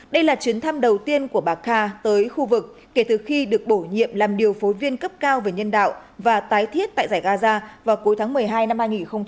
đây là chuyến thăm đầu tiên của bà kha tới khu vực kể từ khi được bổ nhiệm làm điều phối viên cấp cao về nhân đạo và tái thiết tại giải gaza vào cuối tháng một mươi hai năm hai nghìn một mươi tám